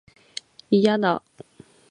いやだ